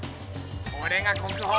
これが国宝か。